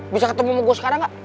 bisa ketemu sama gue sekarang gak